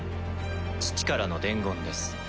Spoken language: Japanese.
父からの伝言です